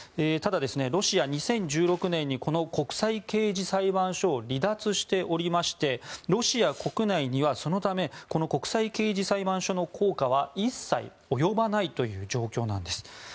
ただ、ロシア、２０１６年にこの国際刑事裁判所を離脱しておりましてそのためロシア国内には国際刑事裁判所の効果は一切及ばないという状況です。